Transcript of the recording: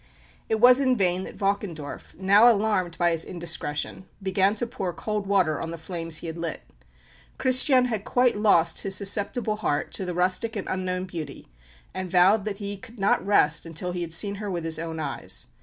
It was in vain that Valkendorf, now alarmed by his indiscretion, began to pour cold water on the flames he had lit. Christian had quite lost his susceptible heart to the rustic and unknown beauty, and vowed that he could not rest until he had seen her with his own eyes.